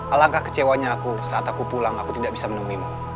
alangkah kecewanya aku saat aku pulang aku tidak bisa menemuimu